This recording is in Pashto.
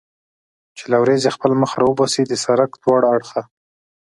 چې له ورېځې خپل مخ را وباسي، د سړک دواړه اړخه.